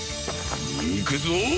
いくぞ！